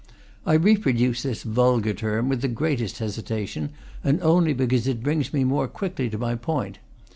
I reproduce this vulgar term with the greatest hesitation, and only because it brings me more quickly to my point.